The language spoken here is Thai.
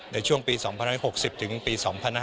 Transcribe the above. ในช่วงปี๒๖๐ถึงปี๒๕๕๙